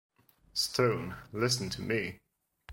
Stone, listen to me.